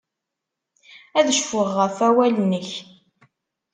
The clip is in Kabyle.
Ad cfuɣ ɣef wawal-nnek.